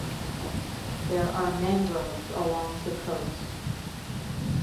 There are mangroves along the coast.